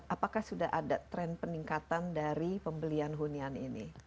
apakah sudah ada tren peningkatan dari pembelian hunian ini